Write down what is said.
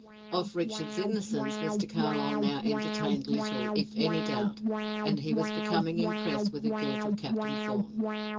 Of Richard's innocence, Mr. Carlyle now entertained little, if any doubt, and he was becoming impressed with the guilt of Captain Thorn.